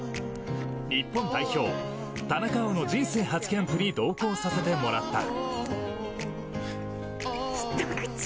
日本代表、田中碧の人生初キャンプに同行させてもらった。